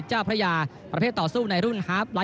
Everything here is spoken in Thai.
เจ้าพระยาประเภทต่อสู้ในรุ่นฮาร์ฟ๑